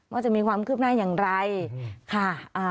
ว่าจะมีความคืบหน้าอย่างไรค่ะ